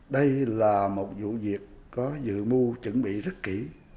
đây là một vụ việc có dự mưu chuẩn bị rất kỹ